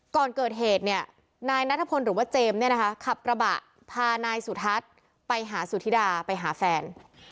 ก่อนเกิดเหตุนายน่ะทะเภิลหรือว่าเจมส์ขับกระบะพานายสุทัศน์ไปหาสุทิดาไปหาแฟน